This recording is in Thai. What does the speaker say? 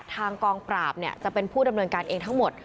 ทางกองปราบจะเป็นผู้ดำเนินการเองทั้งหมด